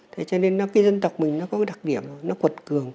thế cho nên cái dân tộc mình nó có cái đặc điểm nó quật cường